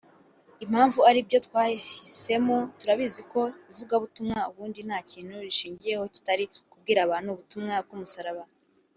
Impamvu ari ibyo twahisemo turabizi ko ivugabutumwa ubundi nta kindi rishingiyeho kitari ukubwira abantu ubutumwa bw’umusaraba